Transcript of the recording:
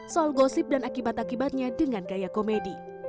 soal gosip dan akibat akibatnya dengan gaya komedi